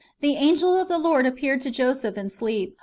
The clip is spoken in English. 279 " The angel of the Lord appeared to Joseph in sleep."